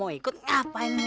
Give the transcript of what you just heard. ini karena hassan